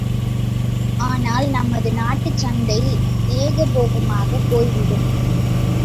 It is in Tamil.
ஆனால், நமது நாட்டுச் சந்தை ஏகபோகமாகப் போய்விடும்.